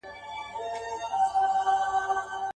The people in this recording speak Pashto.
په خپل ځان پسي یې بنده حُجره کړه.